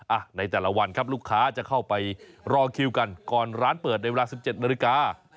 ในแต่ละวันครับลูกค้าจะเข้าไปรอคิวกันก่อนร้านเปิดในเวลา๑๗นาฬิกา